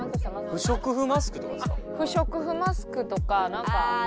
不織布マスクとかなんか。